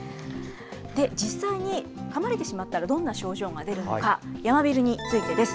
実際にかまれてしまったらどんな症状が出るのか、ヤマビルについてです。